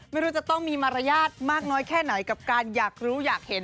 ไม่รู้จะต้องมีมารยาทมากน้อยแค่ไหนกับการอยากรู้อยากเห็น